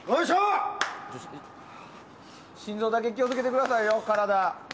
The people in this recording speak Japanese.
心臓だけ気を付けてくださいよ体。